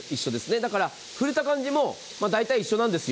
だから触れた感じも大体一緒なんですよ。